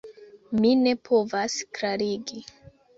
Mi ne povas klarigi